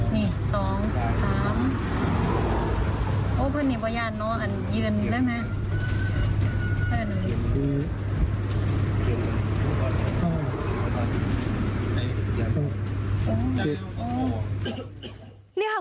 นี่สองสามโอเคนี่บรรยานเนอะอันยืนได้ไหม